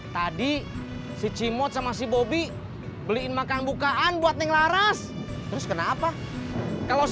tadi si cimot sama si bobi beliin makan bukaan buat ninglaras terus kenapa kalau